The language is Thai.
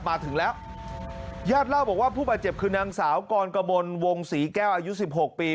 มาถึงแล้วญาติเล่าบอกว่าผู้บาดเจ็บคือนางสาวกรกมลวงศรีแก้วอายุสิบหกปี